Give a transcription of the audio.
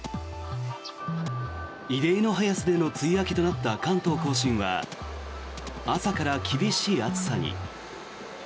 異例の早さでの梅雨明けとなった関東・甲信は朝から厳しい暑さに。